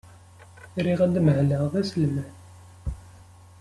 Riɣ ad mahleɣ d aselmad.